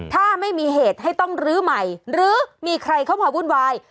ถ้าไม่มีเหตุให้ต้องลื้อใหม่หรือมีใครเข้ามาวุ่นวาย